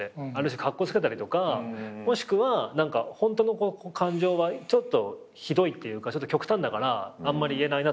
カッコつけたりとかもしくはホントの感情はちょっとひどいっていうか極端だからあんまり言えないなと思っちゃって。